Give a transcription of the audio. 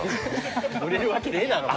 売れるわけねえだろ。